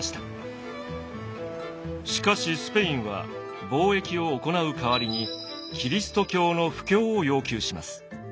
しかしスペインは貿易を行う代わりにキリスト教の布教を要求します。